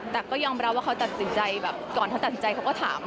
แต่ก็ยอมรับว่าเขาตัดสินใจแบบก่อนเขาตัดสินใจเขาก็ถาม